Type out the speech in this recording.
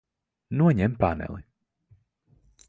Noņem paneli.